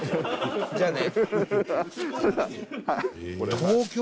じゃあね。